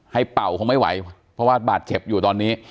เป่าคงไม่ไหวเพราะว่าบาดเจ็บอยู่ตอนนี้